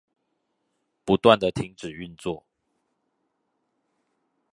不斷的停止運作